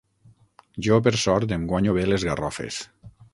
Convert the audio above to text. Jo, per sort, em guanyo bé les garrofes.